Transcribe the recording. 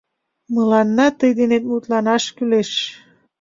Мыланна тый денет мутланаш кӱлеш.